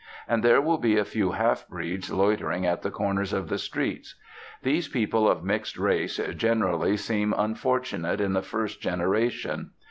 And there will be a few half breeds loitering at the corners of the streets. These people of mixed race generally seem unfortunate in the first generation.